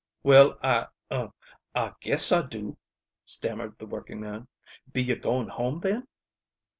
"Well I er I guess I do," stammered the workingman. "Be you going home, then?"